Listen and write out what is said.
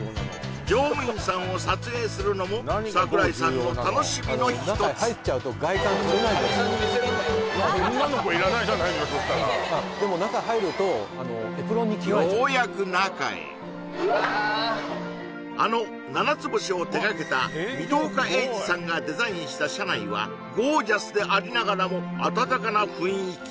乗務員さんを撮影するのも櫻井さんの楽しみの一つ女の子いらないじゃないのよでも中入るとようやく中へあのななつ星を手がけた水戸岡鋭治さんがデザインした車内はゴージャスでありながらもあたたかな雰囲気